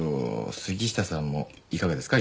杉下さんもいかがですか？